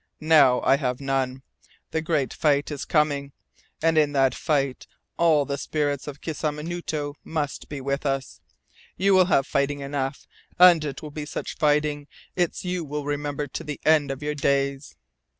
Now I have none. The great fight is coming. And in that fight all the spirits of Kisamunito must be with us. You will have fighting enough. And it will be such fighting its you will remember to the end of your days.